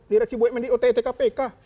direksi bumn di ottkpk